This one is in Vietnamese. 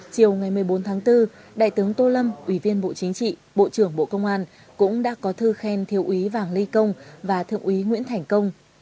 chiều ngày một mươi bốn tháng bốn đại tướng tô lâm ủy viên bộ chính trị bộ trưởng bộ công an cũng đã có thư khen thiếu úy vàng ly công và thượng úy nguyễn thành công